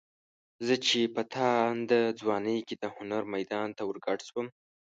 زه چې په تانده ځوانۍ کې د هنر میدان ته ورګډ شوم.